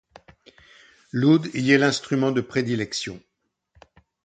L'oud y est l'instrument de prédilection.